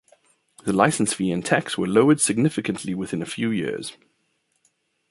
The license fee and tax were lowered significantly within a few years.